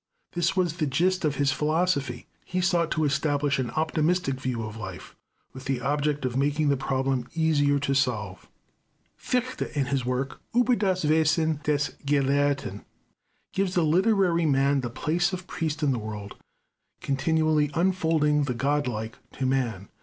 This was the gist of his philosophy. He sought to establish an optimistic view of life, with the object of making the problem easier to solve. Fichte, in his work "Über das Wesen des Gelehrten", gives the literary man the place of priest in the world, continually unfolding the Godlike to man.